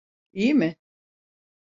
İyi mi?